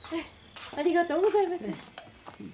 ありがとうございます。